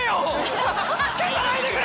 消さないでくれ！